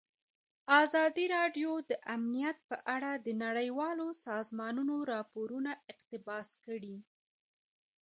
ازادي راډیو د امنیت په اړه د نړیوالو سازمانونو راپورونه اقتباس کړي.